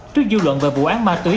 trước dư luận về vụ án ma túy